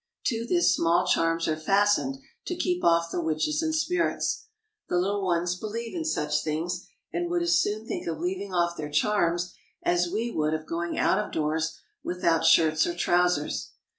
To this small charms are fastened to keep off the witches and spirits ; the little ones believe in such things, and would as soon think of leaving off their charms as we would of going out of doors without shirts or trousers.